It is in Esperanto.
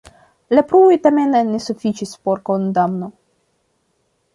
La pruvoj tamen ne sufiĉis por kondamno.